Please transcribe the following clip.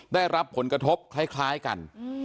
ได้รับผลกระทบคล้ายกัน